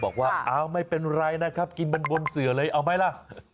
บอกว่าเอาไม่เป็นไรนะครับกินมันบนเสือเลยเอาไหมล่ะ